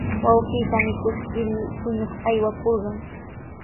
Wawqiiqa mikuskirmi puñuq aywakurqan.